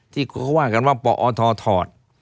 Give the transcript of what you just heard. ที่เขาว่ากันว่าปอทถอด